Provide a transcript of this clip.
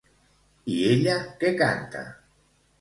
I ella què canta?